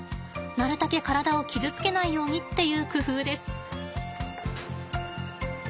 なるたけ体を傷つけないようにっていう工夫です。